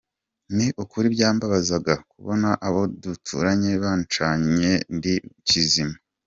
Ni ukuri byambabazaga kubona abo duturanye bacanye njye ndi mu kizima.